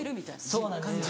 そうなんです。